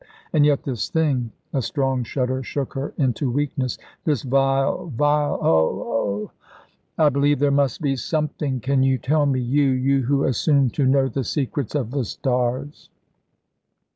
And yet this thing" a strong shudder shook her into weakness "this vile vile Ugh! ugh! I believe there must be Something. Can you tell me, you you who assume to know the secrets of the stars?"